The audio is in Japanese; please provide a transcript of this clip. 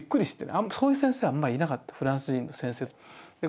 そういう先生あんまいなかったフランス人の先生で。